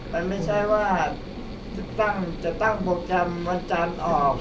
มันไม่ใช่ว่าจะตั้งจะตั้งโปรแกรมวันจานออก